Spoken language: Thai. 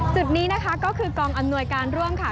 จุดนี้นะคะก็คือกองอำนวยการร่วมค่ะ